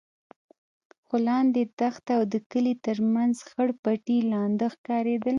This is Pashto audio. خو لاندې دښته او د کلي تر مخ خړ پټي لانده ښکارېدل.